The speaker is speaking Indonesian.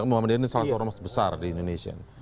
muhammadiyah ini salah satu ormas besar di indonesia